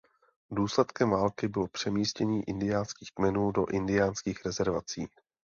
Důsledkem války bylo přemístění indiánských kmenů do indiánských rezervací.